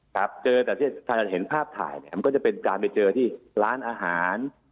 ครับเจอแต่ที่ท่านเห็นภาพถ่ายเนี่ยมันก็จะเป็นการไปเจอที่ร้านอาหาร